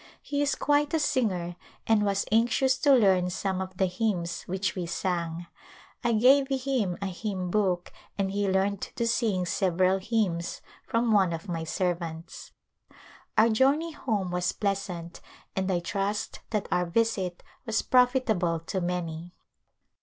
He is quite a singer and was anxious to learn some of the hymns which we sang. I gave him a hymn book and he learned to sing several hymns from one of my servants. Our journey home was pleasant and I trust that our visit was profitable to many.